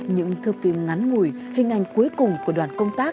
những thước phim ngắn ngủi hình ảnh cuối cùng của đoàn công tác